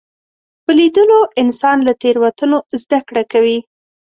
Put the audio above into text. په لیدلو انسان له تېروتنو زده کړه کوي